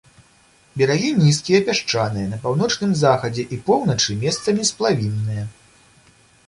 Берагі нізкія, пясчаныя, на паўночным захадзе і поўначы месцамі сплавінныя.